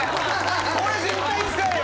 これ絶対使えよ。